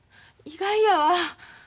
意外やわ。